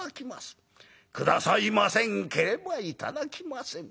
下さいませんければ頂きません。